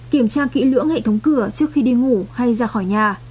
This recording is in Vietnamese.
kiểm tra kỹ lưỡng hệ thống cửa trước khi đi ngủ hay ra khỏi nhà